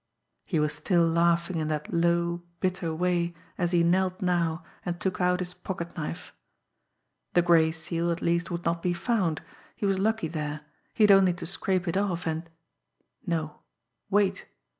He was still laughing in that low, bitter way, as he knelt now, and took out his pocketknife. The gray seal, at least, would not be found he was lucky there he had only to scrape it off, and No wait!